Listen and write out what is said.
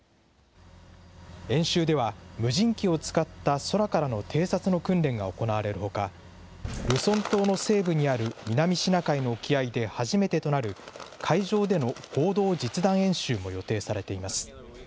演習では、無人機を使った空からの偵察の訓練が行われるほか、ルソン島の西部にある南シナ海の沖合で初めてとなる、海上での合同実弾演習も予定されています。